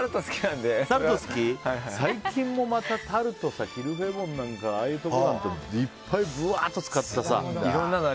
最近もまたタルトさキルフェボンなんかああいうところなんていっぱいブワーッと使ったね。